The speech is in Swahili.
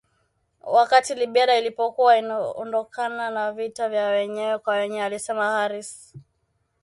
wakati Liberia ilipokuwa inaondokana na vita vya wenyewe kwa wenyewe alisema Harris